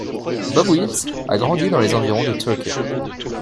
Bob Wills a grandi dans les environs de Turkey.